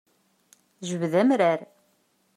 Jbed amrar.